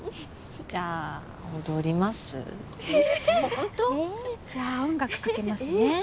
本当？じゃあ音楽かけますね。